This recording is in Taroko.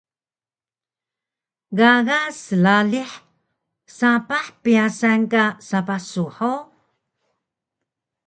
Gaga sdalih sapah pyasan ka sapah su hug?